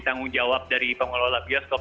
tanggung jawab dari pengelola bioskop